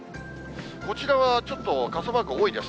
こちらはちょっと傘マーク多いです。